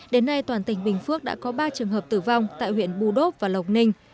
đến nay toàn tỉnh bình phước đã có ba trường hợp tử vong tại huyện bù đốp và lộc ninh